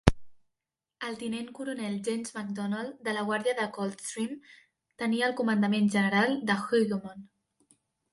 El tinent coronel James Macdonnell, de la guàrdia de Coldstream, tenia el comandament general de Hougoumont.